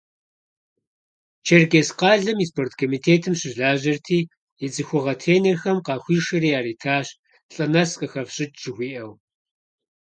Черкесск къалэм и спорткомитетым щылажьэрти, и цӏыхугъэ тренерхэм къахуишэри яритащ, лӏы нэс къыхэфщӏыкӏ жыхуиӏэу.